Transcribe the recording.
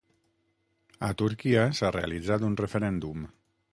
A Turquia s'ha realitzat un referèndum